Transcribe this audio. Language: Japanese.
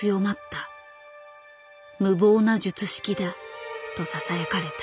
「無謀な術式だ」とささやかれた。